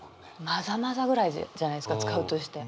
「まざまざ」ぐらいじゃないですか使うとして。